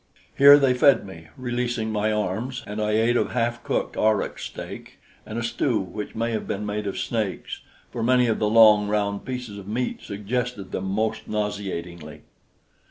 Here they fed me, releasing my arms, and I ate of half cooked aurochs steak and a stew which may have been made of snakes, for many of the long, round pieces of meat suggested them most nauseatingly.